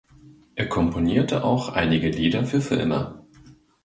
Er komponierte auch einige Lieder für Filme.